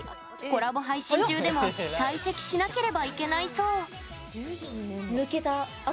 コラボ配信中でも退席しなければいけないそう。